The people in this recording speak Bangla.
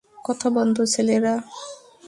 কথা বন্ধ, ছেলেরা।